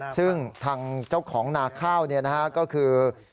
ซึ่งทางเจ้าของนาข้าวเนี่ยนะฮะก็คือ